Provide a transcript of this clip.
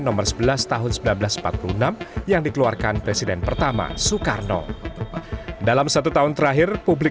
nomor sebelas tahun seribu sembilan ratus empat puluh enam yang dikeluarkan presiden pertama soekarno dalam satu tahun terakhir publik